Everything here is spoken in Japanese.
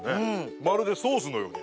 まるでソースのように。